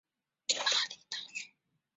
曾就读于巴黎大学。